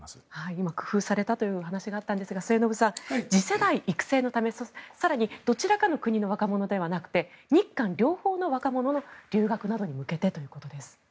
今、工夫されたというお話があったんですが、末延さん次世代育成のため更にどちらかの国の若者ではなくて日韓両方の若者の留学などに向けてということです。